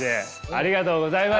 ありがとうございます。